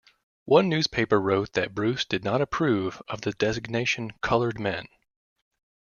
One newspaper wrote that Bruce did not approve of the designation colored men.